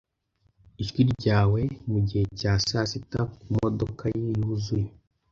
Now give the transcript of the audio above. ijwi ryawe mugihe cya sasita kumodoka ye yuzuye